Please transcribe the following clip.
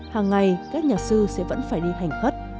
hàng ngày các nhà sư sẽ vẫn phải đi hành khất